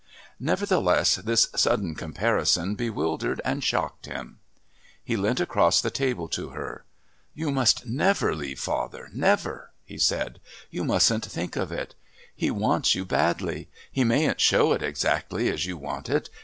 Nevertheless, this sudden comparison bewildered and shocked him. He leant across the table to her. "You must never leave father never," he said. "You mustn't think of it. He wants you badly. He mayn't show it exactly as you want it.